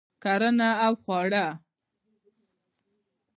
کرنه او خواړه